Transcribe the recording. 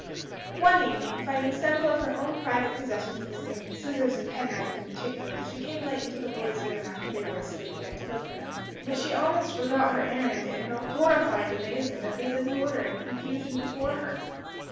One evening, finding several of her own private possessions missing scissors and pen knife in particular she came late into the boys room after they were asleep, there to look for them. But she almost forgot her errand in her horrified amazement at the disorder and confusion before her.